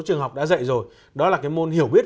trường học đã dạy rồi đó là cái môn hiểu biết